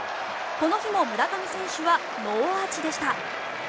この日も村上宗隆選手はノーアーチでした。